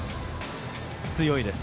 強いです。